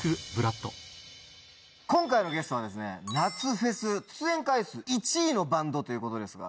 今回のゲストは夏フェス出演回数１位のバンドということですが。